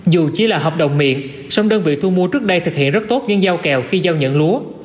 dù chỉ là hợp đồng miệng song đơn vị thu mua trước đây thực hiện rất tốt những giao kèo khi giao nhận lúa